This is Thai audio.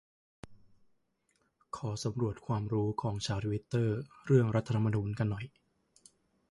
ขอสำรวจความรู้ ของชาวทวิตเตอร์เรื่อง รัฐธรรมนูญ กันหน่อย